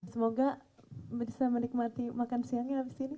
semoga bisa menikmati makan siangnya habis ini